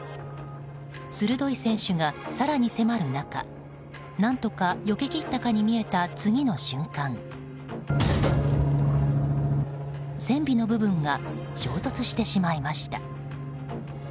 鋭い船首が更に迫る中何とかよけきったかに思えた次の瞬間、船尾の部分が衝突してしまいました。